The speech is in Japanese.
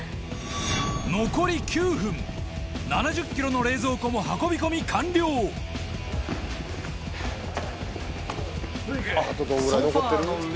残り９分７０ｋｇの冷蔵庫も運び込み完了あっ！